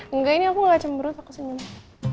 enggak ini aku gak cemberut aku sih nginep